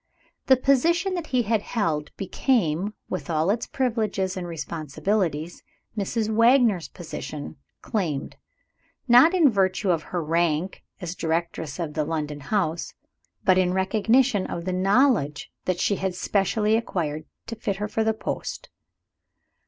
The position that he had held became, with all its privileges and responsibilities, Mrs. Wagner's position claimed, not in virtue of her rank as directress of the London house, but in recognition of the knowledge that she had specially acquired to fit her for the post.